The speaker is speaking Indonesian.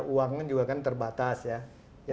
uangnya juga kan terbatas ya